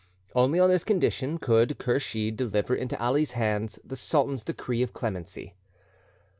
Only on this condition could Kursheed deliver into Ali's hands the sultan's decree of clemency.